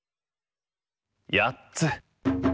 やっつ。